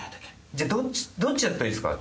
じゃあどっちどっちだったらいいですか？